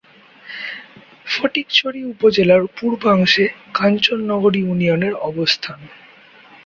ফটিকছড়ি উপজেলার পূর্বাংশে কাঞ্চননগর ইউনিয়নের অবস্থান।